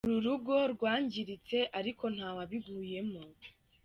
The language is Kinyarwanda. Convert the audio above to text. Urugo rwangiritse ariko nta wabiguyemo !